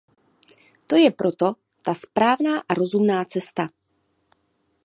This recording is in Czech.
To je pro to ta správná a rozumná cesta.